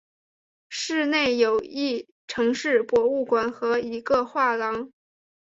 市内有一城市博物馆和一个画廊。